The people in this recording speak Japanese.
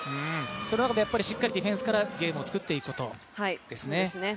その中でしっかりディフェンスからゲームをつくっていくことですね。